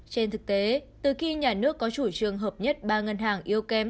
trên thực tế từ khi nhà nước có chủ trương hợp nhất ba ngân hàng yếu kém